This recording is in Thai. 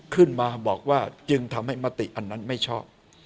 ขึ้นมาบอกว่าจึงทำให้มติอันนั้นไม่ชอบ